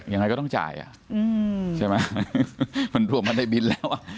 ยังไงก็ต้องจ่ายอ่ะใช่ไหมมันรวมกันในบินแล้วอ่ะ